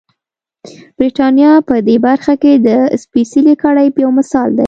برېټانیا په دې برخه کې د سپېڅلې کړۍ یو مثال دی.